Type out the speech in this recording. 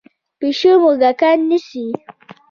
پیشو موږکان نیسي.